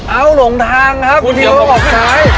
เอ้าหลงทางครับทีโลกออกขาย